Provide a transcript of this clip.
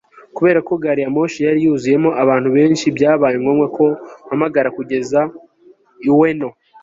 kubera ko gari ya moshi yari yuzuyemo abantu benshi, byabaye ngombwa ko mpagarara kugeza ueno